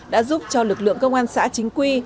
đã giúp cho lực lượng công an xã chính quy